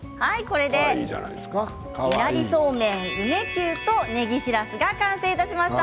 いなりそうめん梅キューとねぎしらすが完成いたしました。